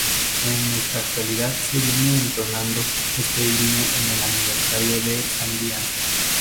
En nuestra actualidad se viene entonando este himno en el Aniversario de Sandia.